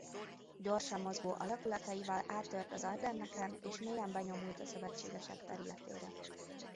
Gyorsan mozgó alakulataival áttört az Ardenneken és mélyen benyomult a szövetségesek területére.